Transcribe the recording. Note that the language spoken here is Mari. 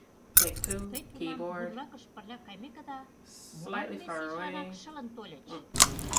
Тый тунам, бурлакыш пырля кайымекыда, молан вес ийжыланак шылын тольыч?